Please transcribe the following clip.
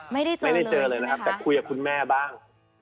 ไม่ได้เจอเลยนะครับแต่คุยกับคุณแม่บ้าง